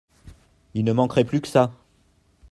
Il ne manquerait plus que ça !